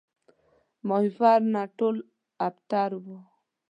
ماهیپر نه ټول ابتر وو